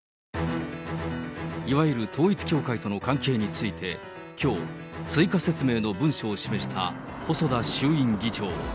いわゆる統一教会との関係について、きょう、追加説明の文書を示した細田衆院議長。